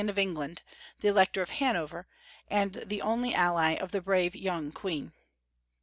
of Eng land, the Elector of Hanover, and the only ally of the brave yomig Queen.